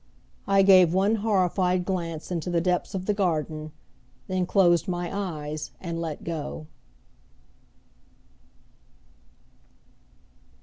I gave one horrified glance into the depths of the garden; then closed my eyes and let go.